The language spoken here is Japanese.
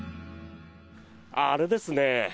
あれですね。